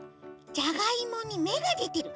じゃがいもにめがでてる。